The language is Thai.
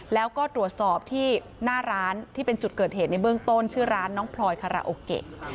แล้วก็ตรวจสอบที่หน้าร้านที่เป็นจุดเกิดเหตุในเบื้องต้นชื่อร้านน้องพลอยคาราโอเกะ